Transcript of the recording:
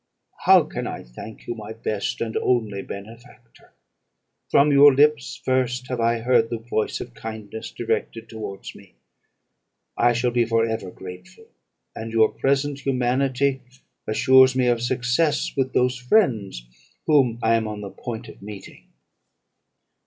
"'How can I thank you, my best and only benefactor? From your lips first have I heard the voice of kindness directed towards me; I shall be for ever grateful; and your present humanity assures me of success with those friends whom I am on the point of meeting.'